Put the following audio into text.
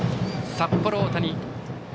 札幌大谷。